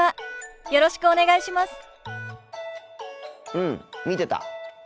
うん見てた。